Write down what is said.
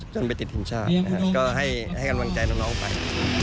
จนไปติดทีมชาติก็ให้กันวังใจน้องไป